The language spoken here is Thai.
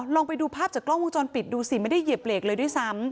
ลองไปดูภาพจากกล้องวงจรปิดดูสิไม่ได้เหยียบเหล็กเลยด้วยซ้ำ